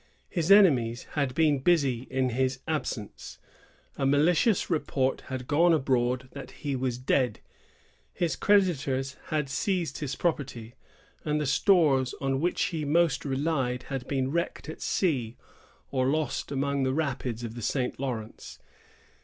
His enemies had been busy in his absence; a malicious report had gone abroad that he was dead; his creditors had seized his property; and the stores on which he most relied had been wrecked at sea, or lost among the rapids of the St. Lawrence.